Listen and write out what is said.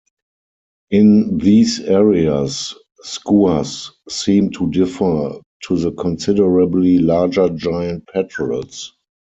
In these areas, skuas seem to defer to the considerably larger giant petrels.